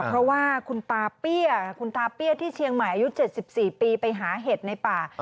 เพราะว่าคุณตาเปี้ยคุณตาเปี้ยที่เชียงใหม่อายุ๗๔ปีไปหาเห็ดในป่า